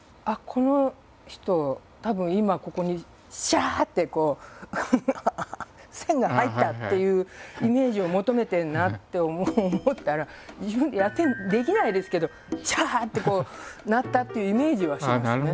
この人たぶん今ここにシャってこう線が入ったっていうイメージを求めてるなあって思ったら自分でやってできないですけどシャってこうなったっていうイメージはしますね。